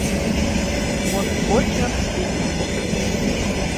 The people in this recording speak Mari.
Моткочак шукын...